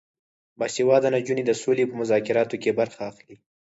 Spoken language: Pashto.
باسواده نجونې د سولې په مذاکراتو کې برخه اخلي.